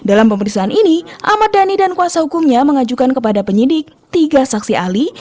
dalam pemeriksaan ini ahmad dhani dan kuasa hukumnya mengajukan kepada penyidik tiga saksi ahli